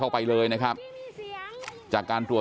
เดี๋ยวให้กลางกินขนม